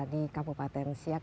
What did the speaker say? di kabupaten siak